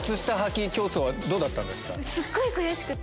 すっごい悔しくて。